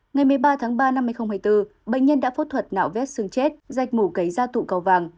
ngày một mươi ba tháng ba năm hai nghìn hai mươi bốn bệnh nhân đã phẫu thuật nạo vét xương chết dạch mũ cấy ra tụ cầu vàng